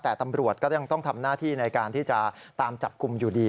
แต่ตำรวจก็ยังต้องทำหน้าที่ในการที่จะตามจับกลุ่มอยู่ดี